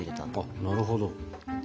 なるほど。